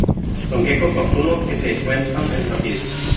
Son geckos nocturnos que se encuentran en Brasil.